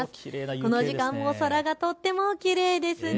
この時間も空がとてもきれいですね。